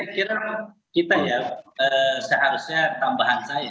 saya kira kita ya seharusnya tambahan saya